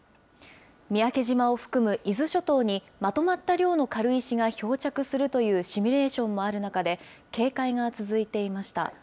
三宅島を含む伊豆諸島にまとまった量の軽石が漂着するというシミュレーションもある中で、警戒が続いていました。